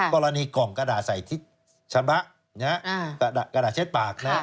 กรณีกล่องกระด่าใส่ชะบะกระด่าเช็ดปาก